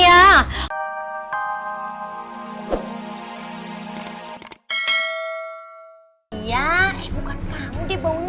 iya eh bukan kamu deh baunya